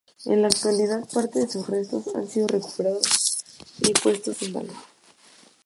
En la actualidad parte de sus restos han sido recuperados y puestos en valor.